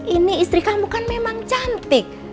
ini istri kamu kan memang cantik